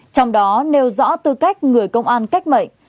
trong đó nêu rõ tư cách người công an cách mệnh